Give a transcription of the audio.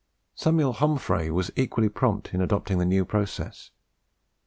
Samuel Homfray was equally prompt in adopting the new process.